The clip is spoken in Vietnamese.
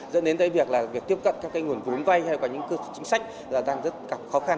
dẫn đến tới việc tiếp cận các nguồn vốn vay hay có những chính sách đang rất khó khăn